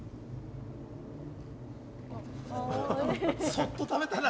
そっと食べたな。